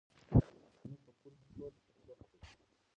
زموږ په کور کې ټول په پښتو خبرې کوي.